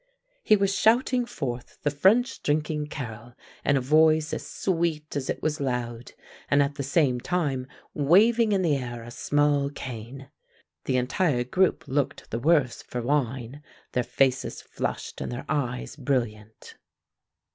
He was shouting forth the French drinking carol in a voice as sweet as it was loud, and at the same time waving in the air a small cane. The entire group looked the worse for wine, their faces flushed and their eyes brilliant.